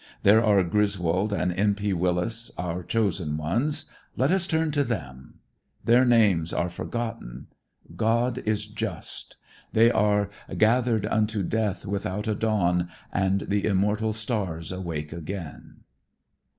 There are Griswold and N. P. Willis, our chosen ones, let us turn to them. Their names are forgotten. God is just. They are, "Gathered unto death without a dawn. And the immortal stars awake again."